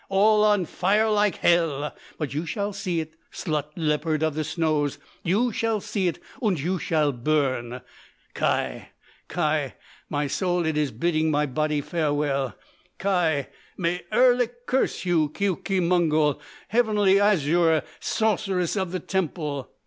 Ja!—all on fire like hell! But you shall see it, slut leopard of the snows! You shall see it und you shall burn! Kai! Kai! My soul it iss bidding my body farewell. Kai! May Erlik curse you, Keuke Mongol—Heavenly Azure—Sorceress of the temple!